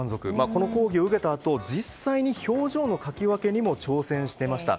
この講義を受けたあと実際に表情の描き分けにも挑戦していました。